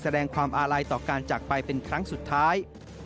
แสดงความอาลัยต่อการจากไปเป็นครั้งสุดท้าย